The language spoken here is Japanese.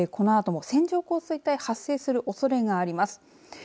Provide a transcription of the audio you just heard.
このあとも、線状降水帯発生するおそれがあります。